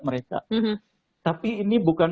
mereka tapi ini bukan